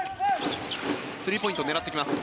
スリーポイントを狙ってきます。